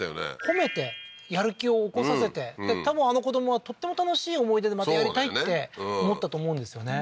褒めてやる気を起こさせてで多分あの子供はとっても楽しい思い出でまたやりたいって思ったと思うんですよね